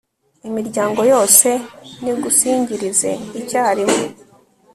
imiryango yose nigusingirize icyarimwe